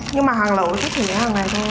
nhưng mà hàng lẩu chắc chỉ hàng này thôi